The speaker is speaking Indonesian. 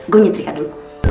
gue nyeterikan dulu